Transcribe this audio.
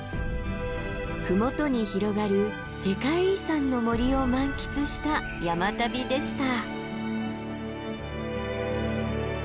麓に広がる世界遺産の森を満喫した山旅でした。